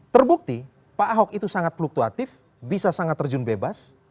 terbukti pak ahok itu sangat fluktuatif bisa sangat terjun bebas